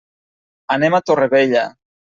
Anem a Torrevella.